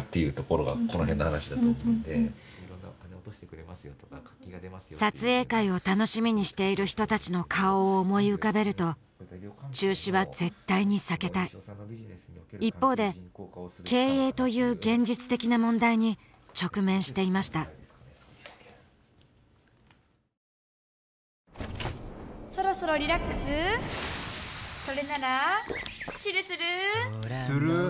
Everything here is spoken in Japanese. っていうところがこのへんの話だと思うんで撮影会を楽しみにしている人たちの顔を思い浮かべると中止は絶対に避けたい一方で経営という現実的な問題に直面していましたＰａｙＰａｙクーポンで！